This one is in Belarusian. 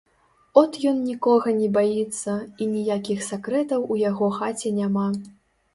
От ён нікога не баіцца, і ніякіх сакрэтаў у яго хаце няма.